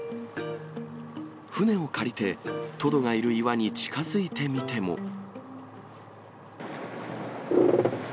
船を借りて、トドがいる岩に近づいてみても。